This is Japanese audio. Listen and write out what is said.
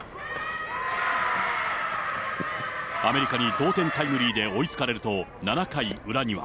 アメリカに同点タイムリーで追いつかれると、７回裏には。